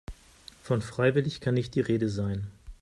Von freiwillig kann nicht die Rede sein.